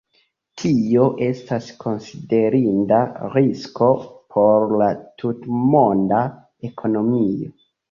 Tio estas konsiderinda risko por la tutmonda ekonomio.